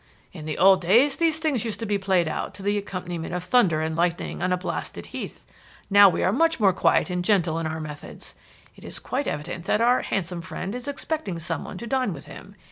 In the old days these things used to be played out to the accompaniment of thunder and lightning on a blasted heath. Now we are much more quiet and gentle in our methods. It is quite evident that our handsome friend is expecting someone to dine with him.